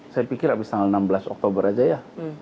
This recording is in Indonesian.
saya pikir habis tanggal enam belas oktober saja ya